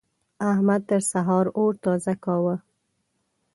احمد تر سهار اور تازه کاوو.